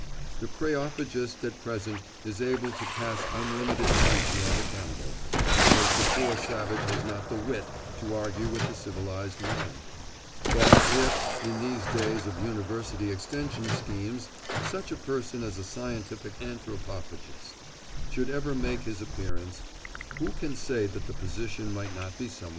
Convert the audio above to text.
The kreophagist at present is able to pass unlimited censure on the cannibal, because the poor savage has not the wit to argue with the civilised man; but if, in these days of University Extension schemes, such a person as a scientific anthropophagist should ever make his appearance, who can say that the position might not be somewhat reversed?